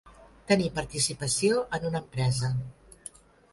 Tenir participació en una empresa.